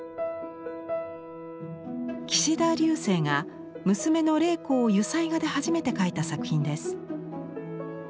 岸田劉生が娘の麗子を油彩画で初めて描いた作品です。